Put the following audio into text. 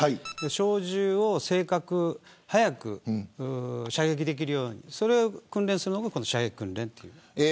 小銃を正確に早く射撃できるようにそれを訓練するのが射撃訓練です。